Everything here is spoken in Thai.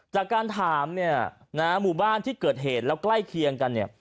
จากการถามเนี่ยนะฮะหมู่บ้านที่เกิดเหตุแล้วใกล้เคียงกันเนี่ย